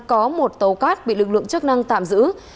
có một tàu cát bị lực lượng chức năng tạm giữ